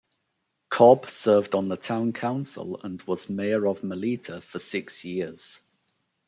Cobb served on the town council and was mayor of Melita for six years.